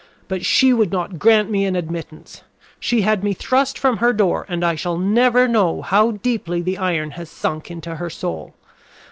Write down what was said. But she would not grant me an admittance. She had me thrust from her door, and I shall never know how deeply the iron has sunk into her soul.